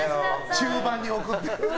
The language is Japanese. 中盤に置くっていう。